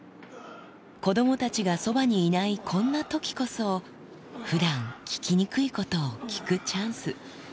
子どもたちがそばにいないこんなときこそ、ふだん聞きにくいことを聞くチャンス。